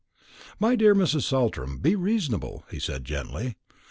"My dear Mrs. Saltram, be reasonable," he said gently.